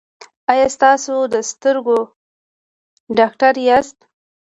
ایا تاسو د سترګو ډاکټر یاست؟